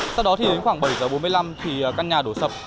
sau đó thì đến khoảng bảy giờ bốn mươi năm thì căn nhà đổ sập